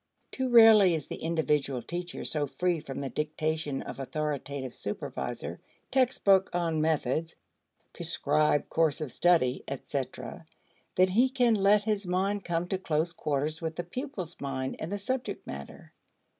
Too rarely is the individual teacher so free from the dictation of authoritative supervisor, textbook on methods, prescribed course of study, etc., that he can let his mind come to close quarters with the pupil's mind and the subject matter.